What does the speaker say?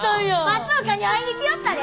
松岡に会いに来よったで！